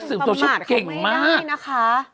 นักสืบโซเชียลเก่งมาก